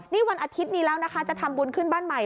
นี่วันอาทิตย์นี้แล้วนะคะจะทำบุญขึ้นบ้านใหม่